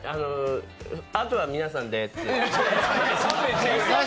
あとは皆さんでっていう。